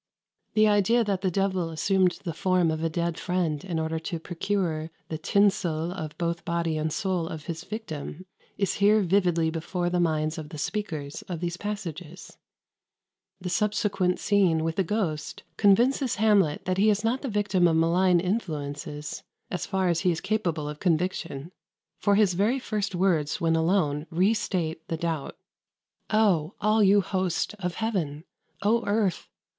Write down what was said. The idea that the devil assumed the form of a dead friend in order to procure the "tinsell" of both body and soul of his victim is here vividly before the minds of the speakers of these passages. [Footnote 1: See ante, § 55.] The subsequent scene with the ghost convinces Hamlet that he is not the victim of malign influences as far as he is capable of conviction, for his very first words when alone restate the doubt: "O all you host of heaven! O earth!